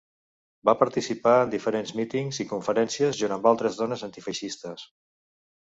Va participar en diferents mítings i conferències junt amb altres dones antifeixistes.